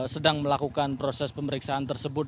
sedang melakukan proses pemeriksaan tersebut